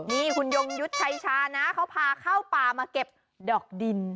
นี่คุณยงยุทธ์ชัยชานะเขาพาเข้าป่ามาเก็บดอกดิน